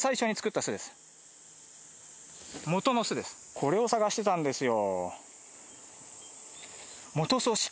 これを探してたんですよ。